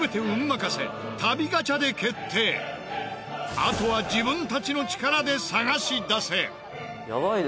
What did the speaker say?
あとは自分たちの力で探し出せ！